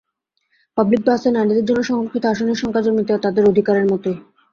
Public বাসে নারীদের জন্য সংরক্ষিত আসনের সংখ্যা জমিতে তাদের অধিকারের মতোই।